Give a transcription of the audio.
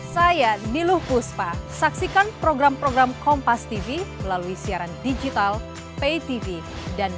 saya niluh puspa saksikan program program kompas tv melalui siaran digital pay tv dan tv